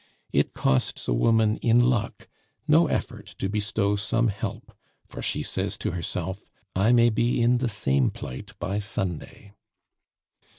It costs a woman in luck no effort to bestow some help, for she says to herself, "I may be in the same plight by Sunday!"